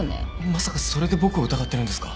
まさかそれで僕を疑ってるんですか？